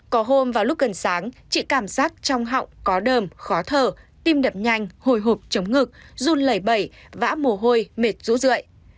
có hôm vào lúc gần sáng chị cảm giác trong họng có đờm khó thở tim đập nhanh hồi hộp chống ngực run lẩy bẩy vã mồ hôi mệt rũ rượi